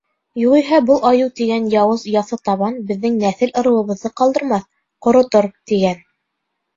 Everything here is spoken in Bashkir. Юғиһә был Айыу тигән яуыз яҫытабан беҙҙең нәҫел-ырыуыбыҙҙы ҡалдырмаҫ, ҡоротор, — тигән.